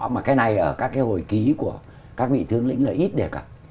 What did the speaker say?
mà cái này ở các cái hồi ký của các vị tướng lĩnh là ít đề cập